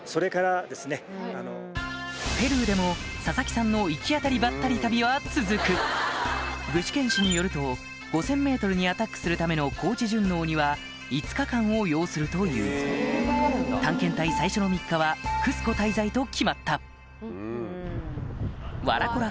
ペルーでも佐々木さんの行き当たりバッタリ旅は続く具志堅によると５０００ｍにアタックするための高地順応には５日間を要するという探検隊最初の３日はクスコ滞在と決まった『笑コラ』